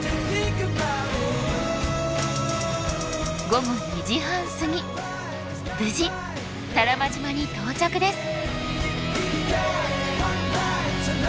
午後２時半過ぎ無事多良間島に到着です。